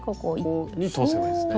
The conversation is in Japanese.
ここに通せばいいんですね。